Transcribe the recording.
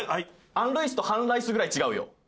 アン・ルイスと半ライスぐらい違うよ。